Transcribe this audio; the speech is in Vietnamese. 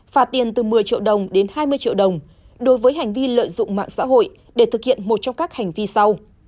phạt tiền từ một mươi triệu đồng đến hai mươi triệu đồng đối với hành vi lợi dụng mạng xã hội để thực hiện một trong các hành vi sau